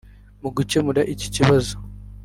Mu gucyemura iki kibazo